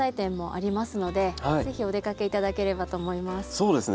そうですね。